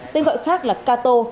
tên gọi khác là cato